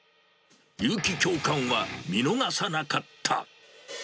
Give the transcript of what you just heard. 結城教官は見逃さなかった。